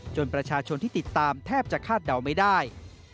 ประชาชนที่ติดตามแทบจะคาดเดาไม่ได้